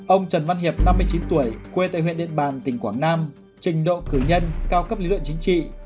ông trần văn hiệp năm mươi chín tuổi quê tại huyện điện bàn tỉnh quảng nam trình độ cử nhân cao cấp lý luận chính trị